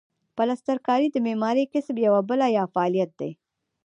پلسترکاري د معمارۍ کسب یوه بله یا فعالیت دی.